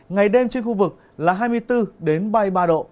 ngày đêm trên khu vực là hai mươi bốn ba mươi ba độ